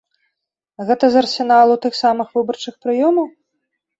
Гэта з арсеналу тых самых выбарчых прыёмаў?